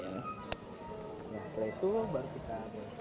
setelah itu baru kita